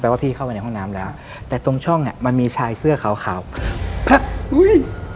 ว่าพี่เข้าไปในห้องน้ำแล้วแต่ตรงช่องเนี้ยมันมีชายเสื้อขาวขาวอุ้ย